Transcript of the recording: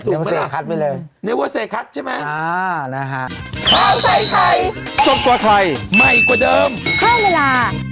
ถูกมั้ยล่ะเนเวอร์เซคัทใช่มั้ยอ๋อนะฮะ